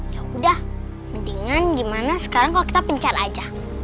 ya udah mendingan gimana sekarang kalau kita pencar aja